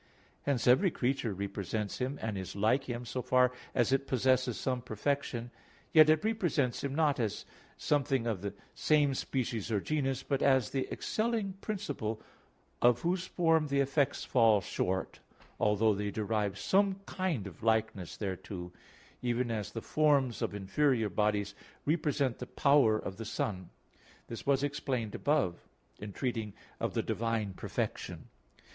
Hence every creature represents Him, and is like Him so far as it possesses some perfection; yet it represents Him not as something of the same species or genus, but as the excelling principle of whose form the effects fall short, although they derive some kind of likeness thereto, even as the forms of inferior bodies represent the power of the sun. This was explained above (Q. 4, A. 3), in treating of the divine perfection.